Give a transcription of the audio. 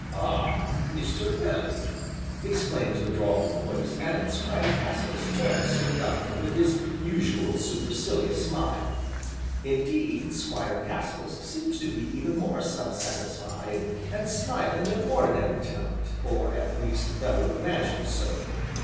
"Ah? Mr. Bellew!" exclaims a drawling voice, and Squire Cassilis turns to regard him with his usual supercilious smile. Indeed Squire Cassilis seems to be even more self satisfied, and smiling than ordinary, to night, or at least Bellew imagines so.